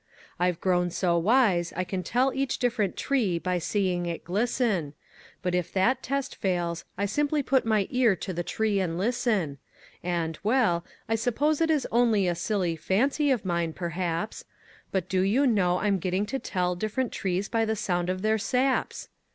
I've grown so wise I can tell each different tree by seeing it glisten, But if that test fails I simply put my ear to the tree and listen, And, well, I suppose it is only a silly fancy of mine perhaps, But do you know I'm getting to tell different trees by the sound of their saps.